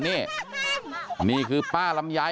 นี่นี่คือป้าลำไย